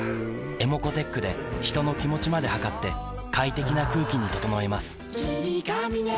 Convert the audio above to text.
ｅｍｏｃｏーｔｅｃｈで人の気持ちまで測って快適な空気に整えます